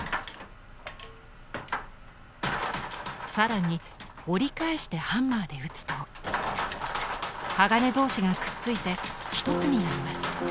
更に折り返してハンマーで打つと鋼同士がくっついて一つになります。